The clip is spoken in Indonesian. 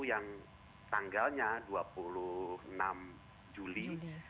yang tanggalnya dua puluh enam juli